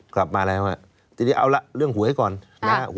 กลับมาแล้วทีนี้เอาละเรื่องหวยก่อนนะครับ